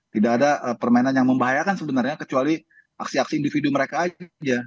tidak ada permainan yang membahayakan sebenarnya kecuali aksi aksi individu mereka aja